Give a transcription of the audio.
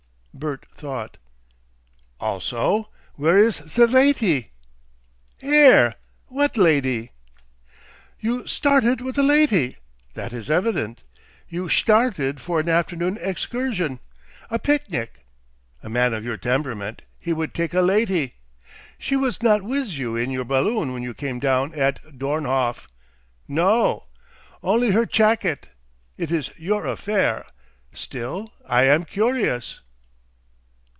Bert thought. "Also where is ze laty?" "'Ere! what lady?" "You started with a laty. That is evident. You shtarted for an afternoon excursion a picnic. A man of your temperament he would take a laty. She was not wiz you in your balloon when you came down at Dornhof. No! Only her chacket! It is your affair. Still, I am curious."